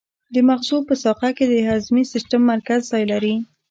د مغزو په ساقه کې د هضمي سیستم مرکز ځای لري.